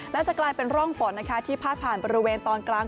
และจะกลายเป็นร่องฝนที่พาดผ่านบริเวณตอนกลาง